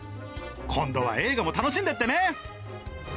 今度は映画も楽しんでってね。